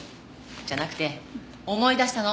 じゃなくて思い出したの。